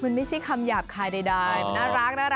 มันไม่ใช่คำหยาบคายใดมันน่ารักเป็นการหยอกกัน